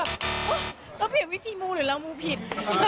ว้าวต้องเปลี่ยนวิธีมูหรือลองมูผิด